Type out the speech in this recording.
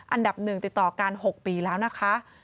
อันดับหนึ่งติดต่อการ๖ปีแล้วนะคะ